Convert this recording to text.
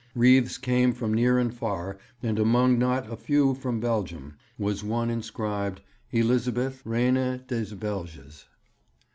Wreaths came from near and far, and among not a few from Belgium was one inscribed 'Elizabeth, Reine des Belges.'